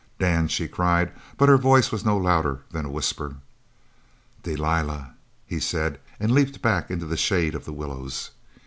"Dan!" she cried, but her voice was no louder than a whisper. "Delilah!" he said, and leaped back into the shade of the willows.